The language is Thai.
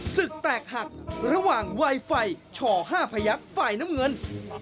ศึกแตกหักระหว่างไวไฟช่อ๕พยักษ์ฝ่ายน้ำเงิน